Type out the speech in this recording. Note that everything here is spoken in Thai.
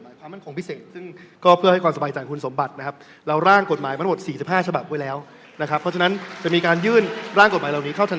ยกเลิกการประกาศการไลยการศึก